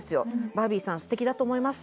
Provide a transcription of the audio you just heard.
「バービーさん素敵だと思います」